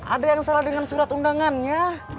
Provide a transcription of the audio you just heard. ada yang salah dengan surat undangannya